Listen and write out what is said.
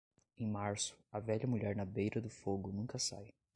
Em março, a velha mulher na beira do fogo nunca sai.